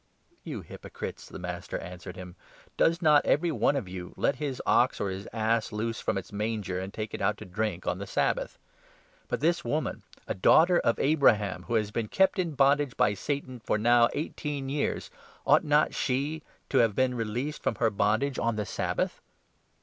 " You hypocrites !" the Master answered him. " Does not 15 every one of you let his ox or his ass loose from its manger, and take it out to drink, on the Sabbath ? But this woman, a 16 daughter of Abraham, who has been kept in bondage by Satan for now eighteen years, ought not she to have been released from her bondage on the Sabbath